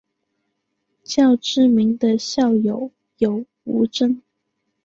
较知名的校友有吴峥。